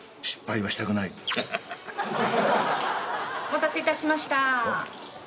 お待たせいたしました。